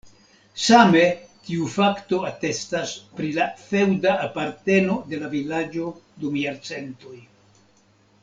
Same tiu fakto atestas pri la feŭda aparteno de la vilaĝo dum jarcentoj.